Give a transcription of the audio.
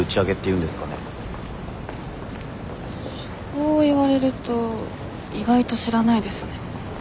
そう言われると意外と知らないですね。